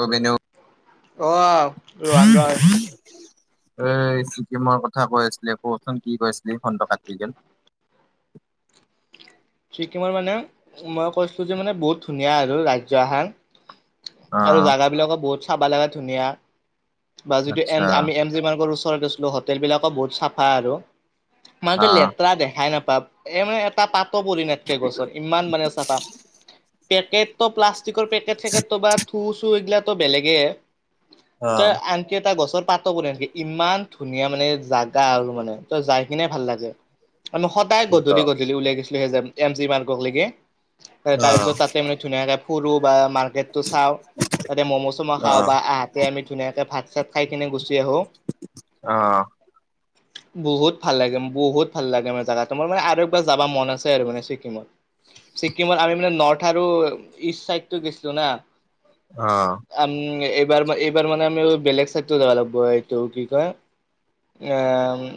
অ বেনেওগ অ' এ ৰোহান ৰয় ছিক্কিমৰ কথা কৈ আছিলি কচোন কি কৈছিলি ফোনটো কাটি গে'ল। ছিক্কিমৰ মানে মই কৈছো যে মানে বহুত ধুনীয়া আৰু ৰাজ্য আহান অ আৰু জাগা বিলাকো বহুত চাব লাগা ধুনীয়া বা যিটো এ আচ্ছা আমি এম জি মাৰ্কৰ ওচৰত আছিলো হোটেলবিলাকো বহুত চাফা আৰু। মানেটো আহ লেতেৰা দেখাই নাপাপ, এ মান এটা পাত ত পৰি নাথকে গছৰ ইমান মানে চাফা, পেকেট প্লাষ্টিকৰ পেকেট চেকট তবাত হু চু এই বিলাকটো বেলেগে ত আনকি এটা গছৰ পাত ত কৰে নেকি ইমান ধুনীয়া মানে জাগা আৰু মানে তই যাই কিনে ভাল লাগে আ'ম সদ- তাই কি ক গধূলি গধূলি উলাই গৈছিলো সেই এম জি মাৰ্গক লৈকে তাৰ আহ পিছত তাতে মানে ধুনীয়াকে ফুৰো বা মাৰ্কেট টো চাওঁ তাতে ম'ম' চম' খাওঁ আহ বা আট সে আমি ধুনীয়াকে ভাত চাত খাই কিনে গুচি আহো। অ। বহুত ভাল লাগে বহুত ভাল লাগে মানে জেগাটো মোৰ মানে আৰু এবাৰ যাবা মন আছ- তে আৰু মানে ছিক্কিমত ছিকিমত আমি মানে নৰ্থ আৰু ইষ্ট চাইডো গেছিলো না। অ। আম এইবাৰ এইবাৰ মানে আমি বেলেগ চাইড যাব লাগিব এইটো কি কয়। অ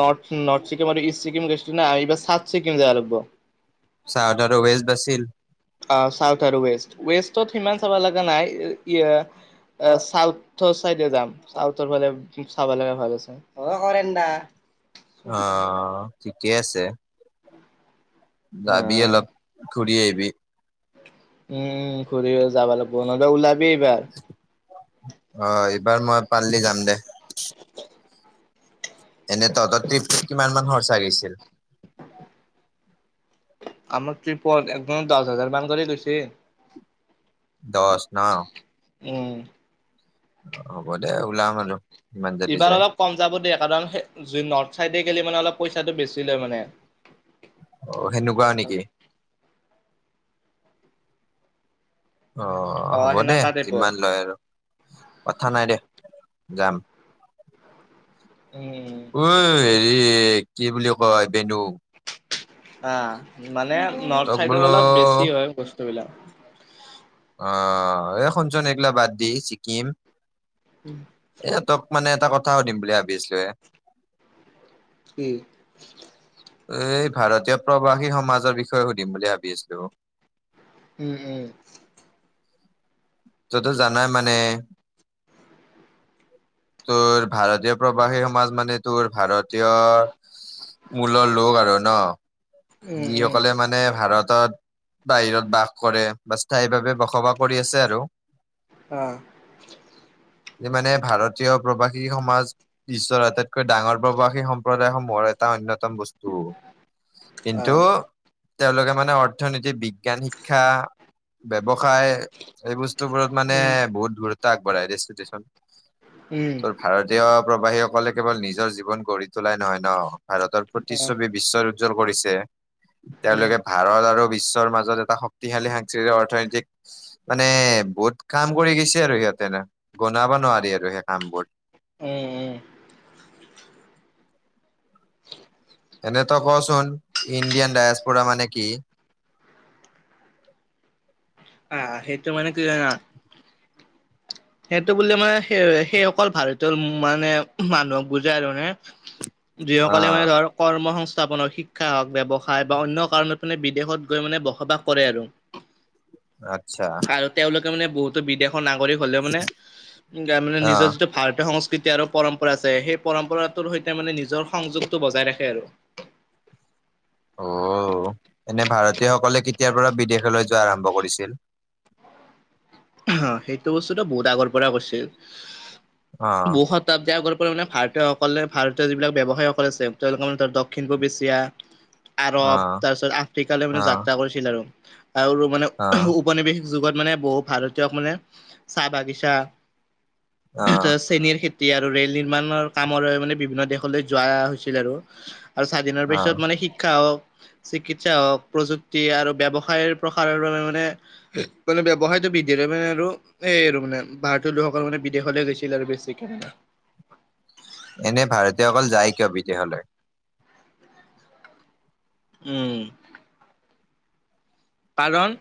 নৰ্থ নৰ্থ ছিকিম দিগি চিকিম গৈছিল ন এইবাৰ চাথ- ছিক্কিম জাব লাগব। চাওঁধাৰ দ্যা ৱেজ দ্যাছিল অ চাউথ আৰু ৱেষ্ট, ৱেষ্টত সিমান চাব লগা নাই। ই ইয়া চাউথৰ চাইডে যাম চাউথৰ ফালে চাব লগা ভাল আছে। অ হৰেন দা। অ ঠিকে আছে। অ যাবি অলপ ঘূৰি আহিবি। উম ঘূৰি যাবা লাগিব নহ'লে ওলাবি এইবাৰ। অ এইবাৰ মই পাৰলি যাম দে। এনে ততৰ ট্ৰিপ কিমান মান খৰচা গেছিল? আমাৰ ট্টিপত একদমত দহ হাজাৰ মান কৰে গৈছে। দচ ন। উম। অ হ'ব দে ওলাম আৰু। ইমান যদি এইবাৰ যায় অলপ কম যাব দিয়ে কাৰণ নৰ্থ চাইডে গলে মানে অলপ পইচাটো বেছি লয় মানে। অ সেনেকুৱা নেকি? অ অ হ'ব দে সেনেকা টাইপৰ যিমান লয় আৰু। কথা নাই দে যাম। উম উ হেৰি কি বুলি কয় বেনু। আহ মানে নৰ্থ তক চাইডত বোলো অলপ বেছি হয় বস্তুবিলাক। অ এই শুনচোন এইবিলাক বাদ দি ছিক্কিম। উহ। এ তক মানে এটা কথা সুধিম বুলি ভাবি আছিলো এ। কি? এই ভাৰতীয় প্ৰবাসী সমাজৰ বিষয়ে সুধিম বুলি ভাবি আছিলো? উম উহ। যতে জানাই মানে ত ভাৰতীয় প্ৰবাহী সমাজ মানে তোৰ ভাৰতীয় মূলৰ লোক আৰু ন। উম উম যিসকলে মানে ভাৰতত বাহিৰত বাস কৰে বা স্থায়ী ভাৱে বসবাস কৰি আছে আৰু অ', এ মানে ভাৰতীয় প্ৰবাসী সমাজ বিশ্বৰ আটাইত কৈ ডাঙৰ প্ৰবাসী সম্প্ৰদায়সমূহৰ এটা অন্যতম বস্তু কিন্তু তেওঁলোকে মানে অৰ্থনীতি বিজ্ঞান শিক্ষা ব্যৱসায় এইবোৰ এতোবোৰত মানে বহুত দূৰত্ব আগবঢ়ায় দেচোন - দেচোন। উম, ত' ভাৰতীয় প্ৰবাহীসকলে কেৱল নিজৰ জীৱন গঢ়ি তোলাই নহয় ন' ভাৰতৰ প্ৰতিচ্ছবি বিশ্বৰ উজ্জ্বল কৰিছে তেওঁলোকে ভাৰত আৰু বিশ্বৰ মাজত এটা শক্তিশালী সাংস্কৃতিক অৰ্থনৈতিক মানে বহুত কাম কৰি গৈছে আৰু সিহঁতে এনে গনাবা নোৱাৰি আৰু সেই কাম বোৰ। উম -উম। এনেতো কচোন ইণ্ডিয়ান ডায়েছ পুৰা মানে কি? আহ সেইটো মানে কি জানা সেইটো বুলি মানে সেই -সেই অকল ভাৰতীয় মানে মানুহক বুজাই আৰু মানে যি সকলে মানে অ' ধৰ কৰ্ম সংস্থাপনৰ শিক্ষা হওক, ব্যৱসায় বা অন্য কাৰণত মানে বিদেশত গৈ মানে বসবাস কৰে আৰু। আচ্ছা। আৰু তেওঁলোকে মানে বহুতো বিদেশৰ নাগৰিক হলেও মানে গা মানে নিজৰ অ' যিটো ভাৰতীয় সংস্কৃতি আৰু পৰম্পৰা যে সেই পৰম্পৰাটোৰ সৈতে মানে নিজৰ সংযোগটো বজাই ৰাখে আৰু। অ, এনে ভাৰতীয় সকলে কেতিয়াৰ পৰা বিদেশলৈ যোৱা আৰম্ভ কৰিছিল? [unintelligible] সেইটো বস্তুটোটো বহুত আগৰ পৰা কৰছিল অ' বৌহত তাতে আগৰ পৰা মানে ভাৰতীয়সকলে ভাৰতীয় যিবিলাক ব্যৱসায়সকল আছে তেওঁলোকৰ মানে ধৰ দক্ষিণ পূব এছিয়া [inaudible] আৰব অ' তাৰপিছত আফ্ৰিকালৈ মানে অ' যাত্ৰা কৰিছিল আৰু -আৰু মানে অ' উ প পনিৱেশিক যুগত মানে বহু ভাৰতীয়ক মানে চাহ -বাগিচা তে অ' চেনিৰ খেত এতিয়া আৰু ৰেল- নিৰ্মাণৰ কামৰে মানে বিভিন্ন দেশলৈ যোৱা হৈছিল আৰু। আৰু স্বাধিনৰ অ' পিছত মানে শিক্ষা হওক চিকিৎসা হওক প্ৰযুক্তি আৰু ব্যৱসায়ৰ প্ৰসাৰণনে মানে- মানে ব্যৱসায়টো বৃ বৃদ্ধিৰ বাবে আৰু এই আৰু মানে ভাৰতীয় লোকসকল মানে বিদেশলে গৈছিল আৰু বেছিকে। এনে ভাৰতীয় সকল যায় কিয় বিদেশলে? উম, কাৰণ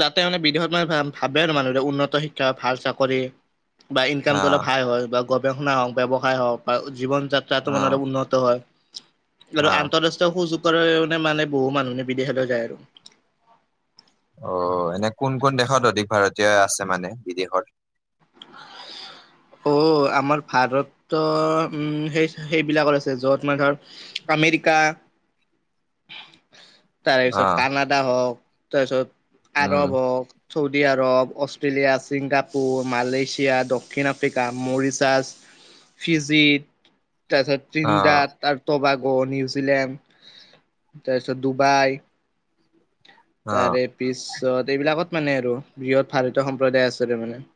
তাতে আৰু মানে বিদেশত মানে ভাবে আৰু মানুহ বিলাকে উন্নত শিক্ষা ভাল চাকৰি বা ইনকামটো অলপ অ' হাই হ'ল বা গৱেষণা হওক, ব্যৱসায় হওক বা জীৱন যাত্ৰাটো মানে অলপ অ' উন্নত ত' হয় [unintelligible] অ' আন্তঃৰাষ্ট্ৰীয় সুযোগৰে [unintelligible] মানে বহু মানুহখিনি বিদেশলৈ যায় আৰু। অ, এনে কোন- কোন দেশত অধিক ভাৰতীয় আছে মানে বিদেশত? [inaudible] অ, আমাৰ ভাৰতৰ উম, সেই সেইবিলাকত আছে য'ত মানে ধৰ আমেৰিকা [inaudible] তাৰেপিছত অ' কানাডা হওক, তাৰপিছত উম আৰব হওক Saudi Arab, Australia, Singapore, Malaysia, দক্ষিণ আফ্ৰিকা, মৰিছাছ, ফিজি, তাছত অ' তৃণন্দাদ, তাৰ্তবাগ, নিউজিলেণ্ড তাৰপিছত ডুবাই অ' তাৰে পিছত এইবিলাকত মানে আৰু বৃহৎ ভাৰতীয় সম্প্ৰদায় আছে তাৰমানে।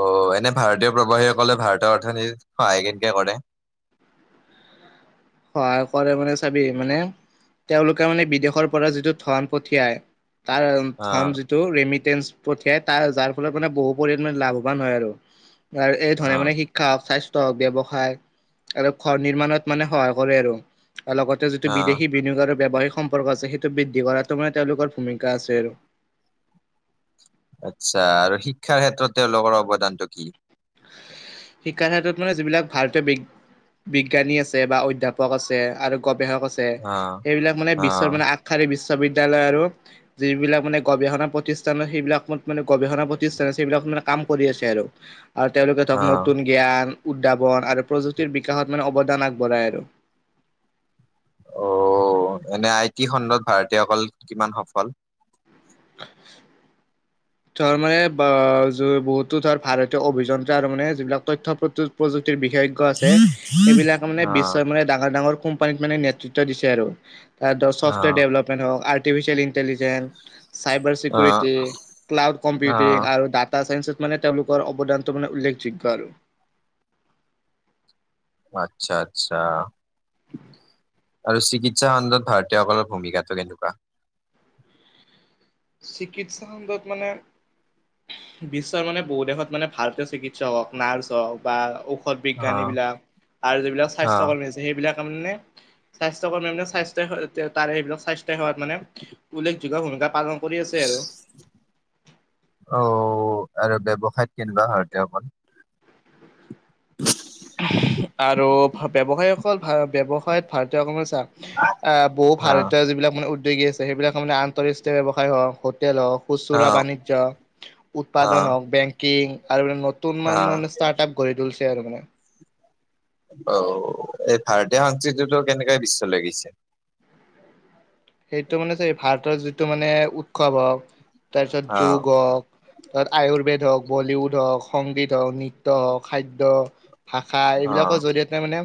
অ, এনে ভাৰতীয় প্ৰবাহীসকলে ভাৰতৰ অৰ্থনীতিত সহায় কেনকে কৰে? সহায় কৰে মানে চাবি মানে তেওঁলোকে মানে বিদেশৰ পৰা যিটো ধন পঠিয়াই‌ তাৰ ধন অ' যিটো ৰেমিটেঞ্চ পঠিয়াই তাৰ যাৰ ফলত মানে বহু পৰিণামে লাভ ৱান হয় আৰু আৰু এই ধৰণে অ' মানে শিক্ষা হওক স্বাস্থ্য হওক ব্যৱসায় আৰু ঘৰ নিৰ্মাণত মানে হয়। কৰে আৰু আৰু লগতে যিটো অ' বিদেশী, বিনিয়োগ আৰু ব্যৱসায়িক সম্পৰ্ক আছে সেইটো বৃদ্ধি কৰাটো মানে তেওঁলোকৰ ভূমিকা আছে আৰু আচ্ছা আৰু শিক্ষাৰ ক্ষেত্ৰত তেওঁলোকৰ অৱদানতটো কি। শিক্ষাৰ ক্ষেত্ৰত মানে যিবিলাক ভাৰতীয় বি বিজ্ঞানী আছে বা অধ্যয়াপক আছে আৰু গৱেষক আছে অ', সেইবিলাক মানে বিশ্বৰ অ', মানে আ খাৰী বিশ্ববিদ্যালয় আৰু যিবিলাক মানে গৱেষণা প্ৰতিষ্ঠান সেইবিলাক মানে গৱেষণা প্ৰতিষ্ঠানছে সেইবিলাক মানে কাম কৰি আছে আৰু আৰু তেওঁলোকে ধৰক অ'। নতুন জ্ঞান উদ্যাৱন আৰু প্ৰযুক্তিৰ বিকাশত মানে অৱদান আগবঢ়ায় আৰু অ এনে আই টি খণ্ডত ভাৰতীয়সকল কিমান সফল, [inaudible] ধৰ মানে বা য বহুতো ধৰ ভাৰতীয় অভিযন্ত্ৰা আৰু মানে যিবিলাক তথ্য প্ৰ প্ৰযুক্তিৰ বিষয়ষ, আছে সেইবিলাকে মানে অ', বিশ্বৰ মানে ডাঙৰ ডাঙৰ কোম্পানীত মানে নেতৃত্ব দিছে আৰু তাৰ ধ চফটৱোৰ অ', ডেভেলপমণ্ট হওক আৰ্টিফিচিয়েল ইণ্টেলিজেঞ্চ চাইবাৰ অ', চিকিউৰিটি, ক্লাউড কম্পিউটিং অ'। আৰু ডাটা চাইন্সত মানে তেওঁলোকৰ অৱদানটো মানে উল্লেখযোগ্য আৰু আচ্ছা আচ্ছা, আৰু চিকিৎসা খণ্ডত ভাৰতীয়সকলৰ ভূমিকাটো কেনেকুৱা? চিকিৎসা খণ্ডত মানে বিশ্বৰ মানে বহু দেশত মানে ভালকে চিকিৎসক হওক, নাৰ্ছ হওক বা ও ঔষধ বিজ্ঞানী অ', বিলাক আৰু যিবিলাক স্বাস্থ্য অ', কৰ্মী সেইবিলাক মানে স্বাস্থ্য কৰ্মী মানে স্বাস্থ্য হয় তাৰে সেইবিলাক স্বাস্থ্য, সেৱাত মানে উল্লেখযোগ্য ভূমিকা পালন, কৰি আছে আৰু অ আৰু ব্যৱসায়ত কেনে কোৱা হয় অকল। আৰু ব্যৱসায়ীসকল ভ ব্যৱসায়ত ভাৰতীয় ক বহু অ', ভাৰতৰ যিবিলাক মানে উদগী আছে সেইবিলাক মানে আন্তঃৰাষ্টীয় ব্যৱসায় হওক হোটেল হওক। খুচুৰা অ', বাণিজ্য উৎপাদন অ', হওক বেংকিং আৰু অ', নতুন ষ্টাৰ্ট আপ, কঢ়ি তুলিছে আৰু মানে, অ এই ভাৰতীয় সংস্কৃতিটো কেনেকে বিশ্ব লৈ গৈছে, সেইটো মানে চ ভাৰতৰ যিটো মানে উৎসৱ হওক, তাৰপিছত অ', যোগ হওক, তাত আয়ুৰ্বেদ হওক, বলীউড হওক, সংগীত হওক, নৃত্য হওক, খাদ্য ভাষা অ', এইবিলাকৰ জৰিয়তে মানে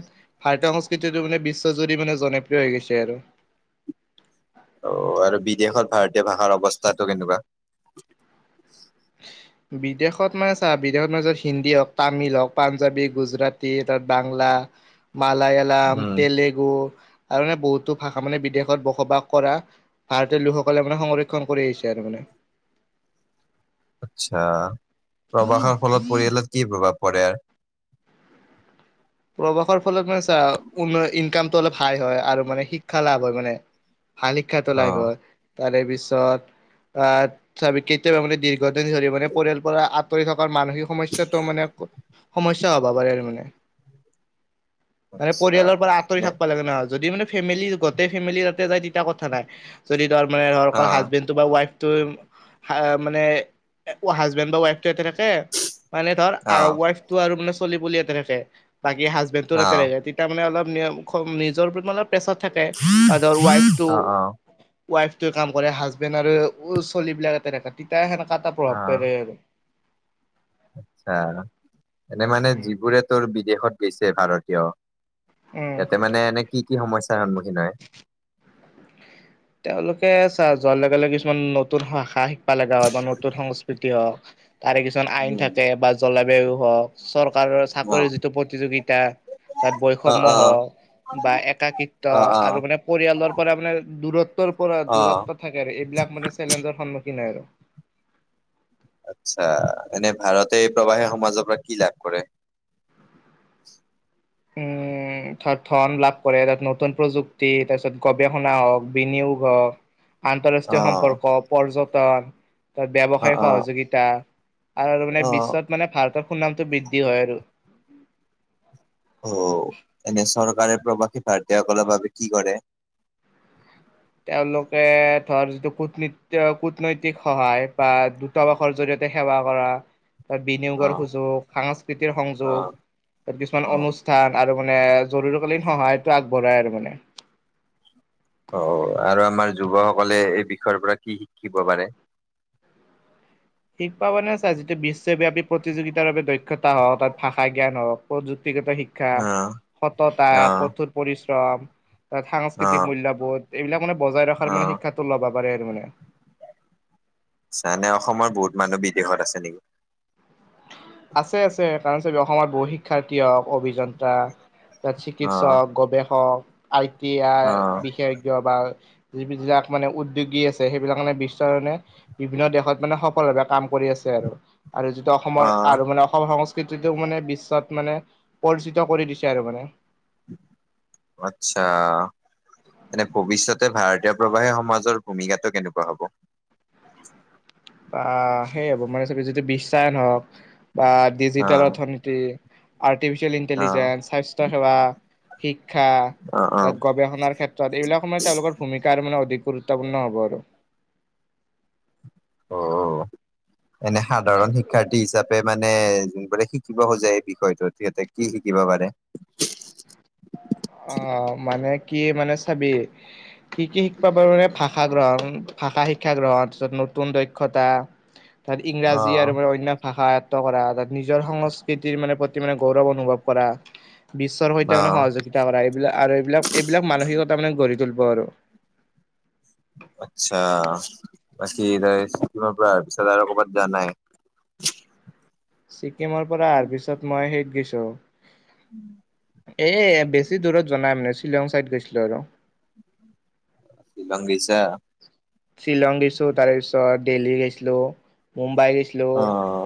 ভাৰতীয় সংস্কৃতিটো মানে বিশ্বজুৰি মানে জনপ্ৰিয় হৈ গৈছে আৰু অ আৰু বিদেশত ভাৰতীয় ভাষাৰ অৱস্থাতটো কেনেকুৱা। [inaudible] বিদেশত মানে চা বিদেশত মানত হিন্দী হওক, তামিল হওক, পাঞ্জাৱী, গুজৰাটী তাত বাংলা। মালায়ালম, উম। তেলেগু আৰু এই বহুতো ভাষা মানে বিদেশত বসবাস কৰা। ভাৰতীয় লোকসকলে মানে সংৰক্ষণ কৰি আহিছে আৰু মানে। আচ্ছা প্ৰবাসৰ ফলত পৰিয়ালত কি প্ৰভাৱ পৰে। প্ৰৱাসৰ ফলত মানে চা উন্নয় ইনকামটো অলপ হাই হয় আৰু মানে শিক্ষা লাভ হয় মানে। হালি খাত অ ওলাই গ'ল, তাৰে পিছত আ কেতিয়াবা মানে দীৰ্ঘ দীৰ্ঘদিন ধৰি মানে পৰিয়াল পৰা আঁতৰি থকাৰ মানসিক সমস্যাটো মানে সমস্যা হ'ব পাৰে আৰু মানে। মানে আচ্ছা পৰিয়ালৰ পৰা আঁতৰি নে থাকবা লাগে ন যদি মানে ফেমি গোটেই ফেমিলি তাতে যায় তেতিয়া কথা নাই। যদি ধৰ মানে ধৰ অ অকল হাজবেণ্ড, টো বা ৱাইফটো হা মানে হাজবেণ্ড বা ৱাইফটো ইয়াতে থাকে, মানে ধৰ অ আৰু ৱাইফ টো আৰু মানে চলি পুলি ইয়াতে থাকে, বাকী হাজবেণ্ডটো অ তাতে থাকে তে তাৰ মানে অলপ নিজৰ অলপ প্ৰেছত থাকে বা ধৰ ৱাইফটো, অ অ ৱাইফটোৱে কাম কৰে হাজবেণ্ড আৰু ছোৱলী বিলাক এ তেনেকা তিতাই সেনেকা এটা প্ৰভাৱ পৰে আৰু আচ্চা, এনে মানে উম যিবোৰে তোৰ বিদেশত গৈছে ভাৰতীয়। উম। ইয়াতে মানে এনে কি কি সমস্যয়াৰ সন্মুখীন হয়। তেওঁলোকে চা যোৱাৰ লগে লগে কিছুমান নতুন ভাষা শিকালে গাঁৱত বা নতুন সংস্কৃতি হওক তাৰে কিছুমান আইন উম, থাকে বা জলবায়ু হওক চৰকাৰৰ অ চাকৰিৰ যিটো প্ৰতিযোগিতা, তাত অ বৈষম্য অ হওক বা একাকৃত্ব অ অ আৰু মানে পৰিয়ালৰ পৰা মানে দূৰত্ ত্বৰ পৰা অ দূৰত্ব থাকে আৰু এইবিলাক মানে চেলেঞ্জৰ সন্মুখীন হয় আৰু। আচ্ছা এনে ভাৰতে প্ৰবাহী সমাজৰ পৰা কি লাভ কৰে? উম তাত ধন লাভ কৰে, তাত নতুন প্ৰযুক্তি, তাৰ পিছত গৱেষণা হওক, বিনিয়োগ হওক, অ আন্তঃৰাষ্ট্ৰীয় সম্পৰ্ক, পৰ্যটন, ত অ ব্যৱসায়িক অ সহযোগিতা, আৰু আৰু মানে অ বিশ্বত মানে ভাৰতৰ সুনামটো বৃদ্ধি হয় আৰু। অ এনে চৰকাৰে প্ৰবাসী ভাৰতীয়সকলৰ বাবে কি কৰে? তেওঁলোকে ধৰ যিটো কূটনৃত্য কুটনৈতিক সহায় বা আবাসৰ জৰিয়তে সেৱা কৰা, তাত অ বিনিয়োগৰ সুযোগ, সাংস্কৃতিৰ অ সংযোগ, তাত কিছুমান অ অনু স্থান আৰু মানে জৰুৰীকালীন সহায়টো আগবঢ়াই আৰু মানে। অ আৰু আমাৰ যুৱকসকলে এই বিষয়ৰ পৰা কি শিকিব পাৰে? শিকবা মানে চা যিটো বিশ্বব্যাপী প্ৰতিযোগিতাৰ বাবে দক্ষতা হওক, অথাৎ ভাষা জ্ঞান হওক, প্ৰযুক্তিগত শি ক্ষা, অ সততা, অ কঠোৰ পৰিশ্ৰম, তাত অ সাংস্কৃতিক মূল্যবোধ এইবিলাক মানে বজাই ৰখাৰ অ মানে শিক্ষাটো ল'বা পাৰে আৰু মানে চানে অসমৰ বহুত মানুহ বিদেশত আছে নেকি? আছে আছে কাৰণ চবে অসমত বহু শিক্ষাৰ্থী হওক অভিযন্ত্ৰা তাত অ চিকিৎসক, গৱেষক, আই টি আই, অ বিশেষজ্ঞ বা যিবিলাক মানে উদ্যোগী আছে সেইবিলাক মানে বিশ্বৰকাৰণে বিভিন্ন দেশত মানে সফলভাৱে কাম কৰি আছে আৰু আৰু যিটো অসমৰ অ আৰু মানে অসম সংস্কৃতিটো মানে বিশ্বত মানে পৰিচিত কৰি দিছে আৰু মানে। আচ্চা। মানে ভৱিষ্যতে ভাৰতীয় প্ৰবাহী সমাজৰ ভূমিকাটো কেনেকুৱা হব? বা সেইয়া হব, মানে চবে যদি বিশ্বায়ন হওক বা অ ডিজিটেল অৰ্থনীতি আৰ্টিফিচিয়েল অ ইণ্টেলিজেন্স, স্বাস্থ্য সেৱা, শিক্ষা, অ তাত অ গৱেষণাৰ ক্ষেত্ৰত এইবিলাক সমানে তেওঁলোকৰ ভূমিকা আৰু মানে অধিক গুৰুত্বপূৰ্ণ হ'ব আৰু। অ অ এনে সাধাৰণ শিক্ষাৰ্থী হিচাপ পে মানে যোনবোৰে শিকিব খোজে এই বিষয়টোত সিহঁতে কি শিকিব পাৰে? অ মানে কি মানে চাবি কি কি শিকিব পাৰো মানে ভাষা গ্ৰহণ, ভাষা শিক্ষা গ্ৰহণ তাৰপিছত নতুন দক্ষতা [inaudible] তাত অ ইংৰাজী আৰু মানে অন্য ভাষা আয়ত্ব কৰা তাত নিজৰ সংস্কৃতিৰ মানে প্ৰতি মানে গৌৰৱ অনুভৱ কৰা বিশ্বৰ সৈতে অ মানে সহযোগিতা কৰা এইবিলাক আৰু এইবিলাক এইবিলাক মানসিকতা মানে গঢ়ি তুলিব আৰু আচ্ছা বাকি ৰাইজ চিকিমৰ পৰা আহিছা আৰু ক'ৰবাত জৱা নাই ছিকিমৰ পৰা অহাৰ পিছত মই সেইত গেছো উম এ বেছি দূৰত যোৱা নাই মানে শ্বিলং চাইদ গৈছিলো আৰু শ্বিলং গৈছা? শ্বিলং গৈছো তাৰ পিছত দেল্হী গৈছিলো মুম্বাই গৈছ অ